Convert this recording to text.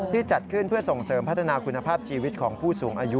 จัดขึ้นเพื่อส่งเสริมพัฒนาคุณภาพชีวิตของผู้สูงอายุ